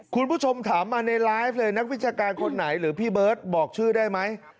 คุณผู้ชมถามมาในไลฟ์เลยนักวิชาการคนไหนหรือพี่เบิร์ตบอกชื่อได้ไหม